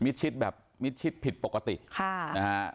ชิดแบบมิดชิดผิดปกติค่ะนะฮะ